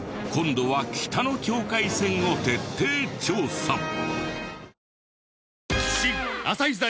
今度は北の境界線を徹底調査！